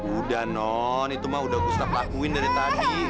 udah non itu mah udah usah lakuin dari tadi